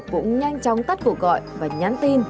cũng nhanh chóng tắt cuộc gọi và nhắn tin